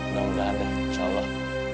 gak ada insya allah